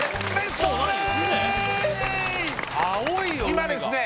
今ですね